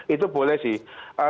itu boleh sih